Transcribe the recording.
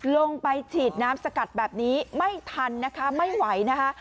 ลงไปฉีดน้ำสกัดแบบนี้ไม่ทันนะคะไม่ไหวนะคะ